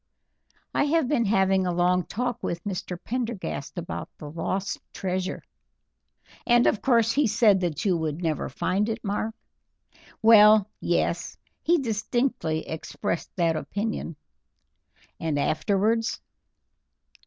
"I have been having a long talk with Mr. Prendergast about the lost treasure." "And of course he said that you would never find it, Mark?" "Well, yes, he distinctly expressed that opinion." "And afterwards?"